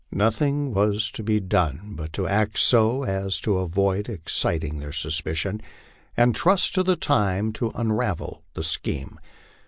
Nothing was to be done but to act so as to avoid exciting their suspicion, and trust to time to unravel the scheme.